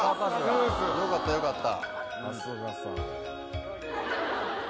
よかったよかった。